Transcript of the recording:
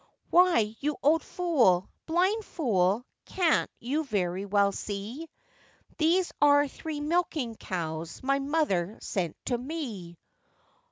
'Why, you old fool! blind fool! can't you very well see, These are three milking cows my mother sent to me?